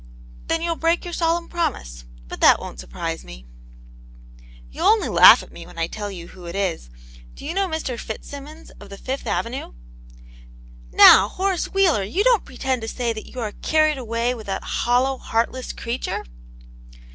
Then, you'll break your solemn promise. But that won't surprise me.'* You'll only laugh at me when I tell you who it is. Do you know Mr. Fitzsimmons, of the Fifth Avenue?" " Now, Horace Wheeler, you don't pretend to say that you are carried away with that hollow, heartless creature